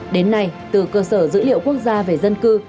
đến nay từ cơ sở dữ liệu quốc gia về dân cư